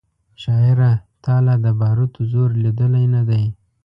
شاعره تا لا د باروتو زور لیدلی نه دی